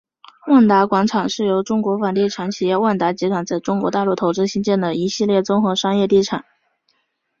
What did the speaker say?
万达广场是由中国房地产企业万达集团在中国大陆投资兴建的一系列综合商业地产。